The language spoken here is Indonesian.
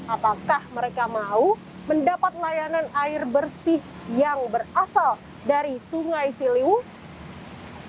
apakah mereka mau mendapat layanan air bersih yang berasal dari sungai ciliwung